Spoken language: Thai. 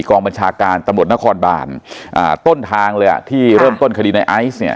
กองบัญชาการตำรวจนครบานอ่าต้นทางเลยอ่ะที่เริ่มต้นคดีในไอซ์เนี่ย